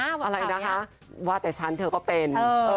อะไรนะคะว่าแต่ฉันเธอก็เป็น